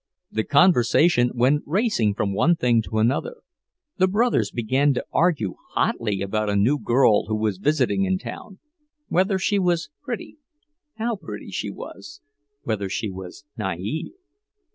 The conversation went racing from one thing to another. The brothers began to argue hotly about a new girl who was visiting in town; whether she was pretty, how pretty she was, whether she was naive.